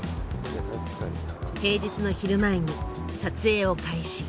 平日の昼前に撮影を開始。